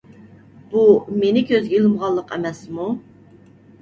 بۇ مېنى كۆزگە ئىلمىغانلىق ئەمەسمۇ!